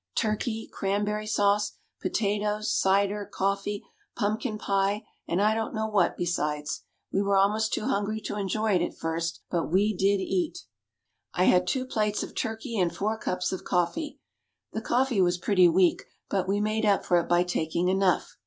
Turkey, cranberry sauce, potatoes, cider, coffee, pumpkin pie, and I don't know what besides. We were almost too hungry to enjoy it at first, but we did eat. I had two plates of turkey and four cups of coffee; the coffee was pretty weak, but we made up for it by taking enough.